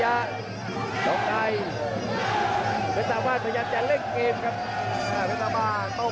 ยังเข้ามาเวทาวาดพยายามจะเร่งเกมอยากเตะเป้า